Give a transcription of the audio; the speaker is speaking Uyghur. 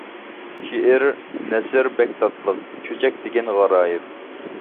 شېئىر، نەسر بەك تاتلىق، چۆچەك دېگەن غارايىپ.